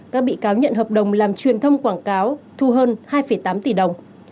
các bị cáo nhận hợp đồng làm truyền thông quảng cáo thu hơn hai tám tỷ đồng